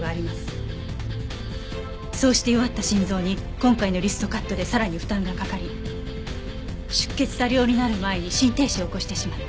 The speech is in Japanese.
そうして弱った心臓に今回のリストカットでさらに負担がかかり出血多量になる前に心停止を起こしてしまった。